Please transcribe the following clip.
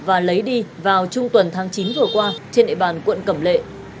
và lấy đi vào trung tuần tháng chín vừa qua trên địa bàn quận cẩm lệ